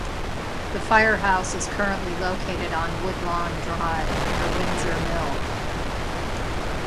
The fire house is currently located on Woodlawn Drive near Windsor Mill.